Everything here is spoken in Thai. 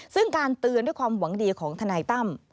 ซึ่งการเตือนด้วยความหวังดีของทนายตั้ม